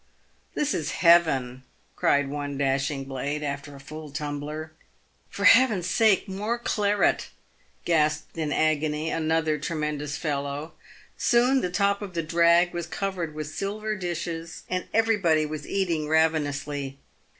" This is heaven !" B cried one dashing blade, after a full tumbler. " For Heaven's sake, more claret !" gasped in agony another tremendous fellow. Soon the top of the drag was covered with silver dishes, and everybody was eating ravenously.